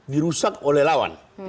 dirusak oleh lawan